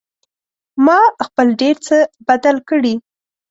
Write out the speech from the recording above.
ما خپل ډېر څه بدل کړي